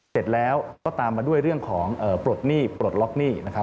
เสร็จแล้วก็ตามมาด้วยเรื่องของปลดหนี้ปลดล็อกหนี้